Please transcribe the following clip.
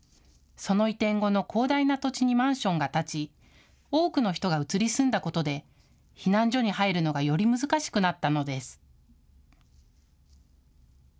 その移転後の広大な土地にマンションが建ち多くの人が移り住んだことで避難所に入るのがより難しくなったのです。